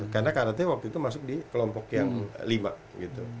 karena karate waktu itu masuk di kelompok yang lima